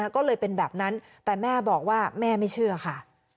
ก็เลยเป็นแบบนั้นแต่แม่บอกว่าแม่ไม่เชื่อค่ะ